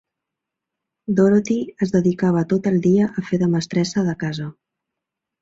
Dorothy es dedicava tot el dia a fer de mestressa de casa.